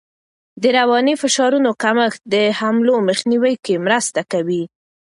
د رواني فشارونو کمښت د حملو مخنیوی کې مرسته کوي.